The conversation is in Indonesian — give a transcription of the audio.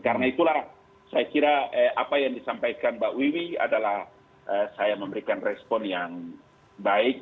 karena itulah saya kira apa yang disampaikan mbak wiwi adalah saya memberikan respon yang baik